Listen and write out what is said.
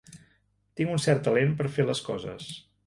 Tinc un cert talent per fer les coses.